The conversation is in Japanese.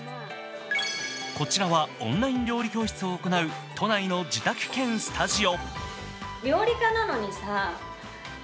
こちらはオンライン料理教室を行う都内の自宅兼スタジオ。